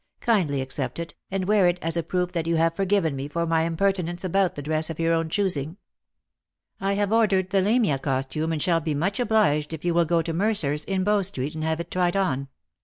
Kindly accept it, and wear it, as a proof that you have forgiven me my impertinence about the dress of your own choosing. I have ordered the Lamia costume, and shall be much obliged if you will go to Mercer's, in Bow street, and have it tried on.